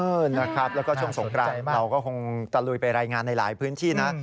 นะครับแล้วก็ช่วงสงกรานเราก็คงตะลุยไปรายงานในหลายพื้นที่นะ